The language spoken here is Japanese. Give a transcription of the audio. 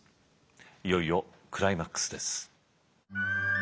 いよいよクライマックスです。